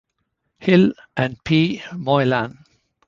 Hill and P. Moylan.